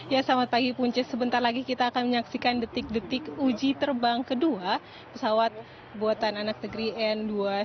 ya selamat pagi punce sebentar lagi kita akan menyaksikan detik detik uji terbang kedua pesawat buatan anak negeri n dua ratus dua belas